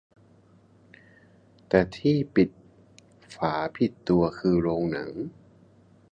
แต่ที่ผิดฝาผิดตัวคือโรงหนัง